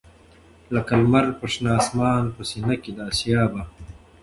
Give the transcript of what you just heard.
لکه لــــمــر پر شــــنه آســــمـــان په ســــینـه کـــي د آســــــــــیا به